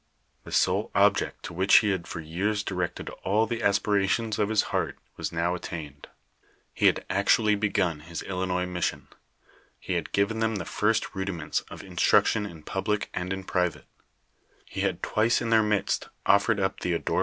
The sole object to wliieh he had for years directed all the aspirations of His heart was now at tained. He had actually begun his Illinois mission ; he had given them the first rudiments of instruction in public and in private ; he had twice in their midst ofi'ered up the adorable ;;•